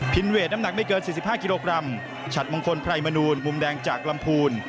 เวทน้ำหนักไม่เกิน๔๕กิโลกรัมฉัดมงคลไพรมนูลมุมแดงจากลำพูน